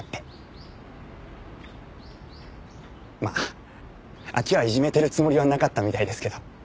まああっちはいじめてるつもりはなかったみたいですけど。